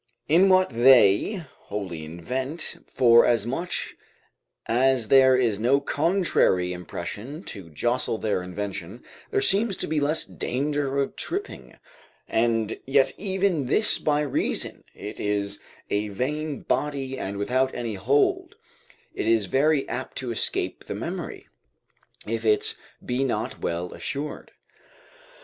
In what they, wholly invent, forasmuch as there is no contrary impression to jostle their invention there seems to be less danger of tripping; and yet even this by reason it is a vain body and without any hold, is very apt to escape the memory, if it be not well assured.